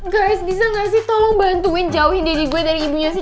kais bisa gak sih tolong bantuin jauhin diri gue dari ibunya sih